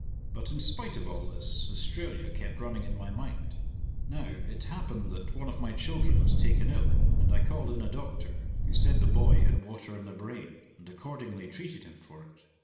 But in spite of all this Australia kept running in my mind. Now, it happened that one of my children was taken ill, and I called in a doctor, who said the boy had water on the brain, and accordingly treated him for it.